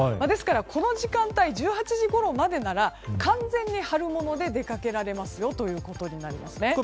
ですからこの時間帯１８時ごろまでなら完全に春物で出かけられますよということですね。